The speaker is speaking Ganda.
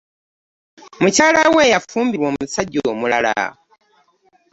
Mukyala we yafumbirwa omusajja omulala.